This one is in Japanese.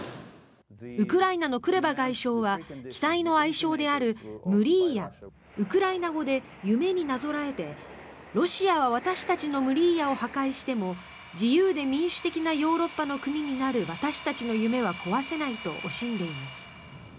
ウクライナのクレバ外相は機体の愛称であるムリーヤウクライナ語で夢になぞらえてロシアは私たちのムリーヤを破壊しても自由で民主的なヨーロッパの国になる私たちの夢は壊せないと惜しんでいます。